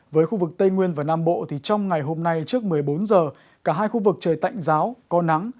với khu vực tây nguyên và nam bộ thì trong ngày hôm nay trước một mươi bốn giờ cả hai khu vực trời tạnh giáo có nắng